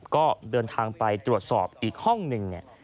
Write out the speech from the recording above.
ก็เดินทางไปตรวจสอบอีกห้องหนึ่งเนี่ย